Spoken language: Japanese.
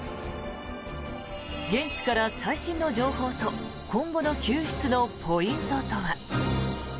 現地から最新の情報と今後の救出のポイントとは。